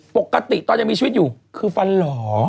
ปกติตอนยังมีชีวิตอยู่คือฟันหล่อ